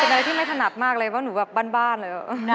เป็นอะไรที่ไม่ถนัดมากเลยเพราะหนูแบบบ้านเลย